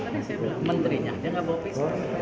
kan tadi saya bilang menterinya dia nggak bawa pistol